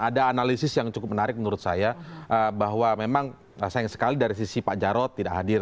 ada analisis yang cukup menarik menurut saya bahwa memang sayang sekali dari sisi pak jarod tidak hadir